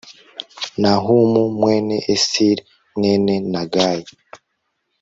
nahumu mwene esili mwene nagayi